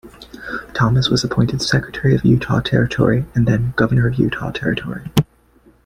Thomas was appointed secretary of Utah Territory and then Governor of Utah Territory.